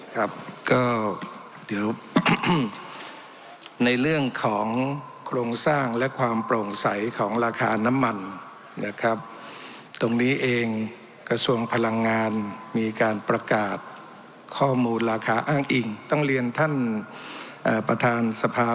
ครับก็เดี๋ยวในเรื่องของโครงสร้างและความโปร่งใสของราคาน้ำมันนะครับตรงนี้เองกระทรวงพลังงานมีการประกาศข้อมูลราคาอ้างอิงต้องเรียนท่านประธานสภา